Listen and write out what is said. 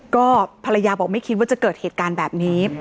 ก็ภรรยาบอกไม่คิดว่าจะเกิดเหตุการณ์แบบนี้